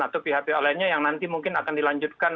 atau pihak pihak lainnya yang nanti mungkin akan dilanjutkan